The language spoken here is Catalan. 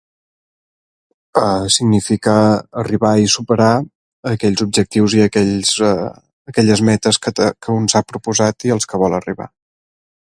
Ah... significa arribar i superar aquells objectius i aquells, eh... aquelles metes que te, que un s'ha proposat i els que vol arribar.